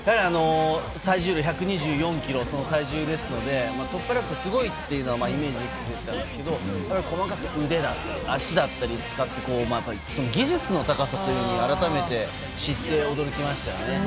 最重量１２４ｋｇの体重ですので突破力はすごいというイメージができてたんですけどやっぱり細かく腕だったり脚だったりを使う技術の高さというのを改めて知って、驚きましたね。